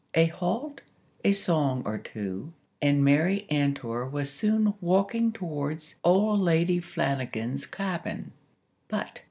A halt, a song or two, and Mary Antor was soon walking towards Old Lady Flanagan's cabin. But!!